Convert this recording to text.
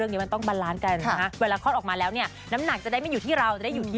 จะลงทุกส่วนเลยใช่มั้ย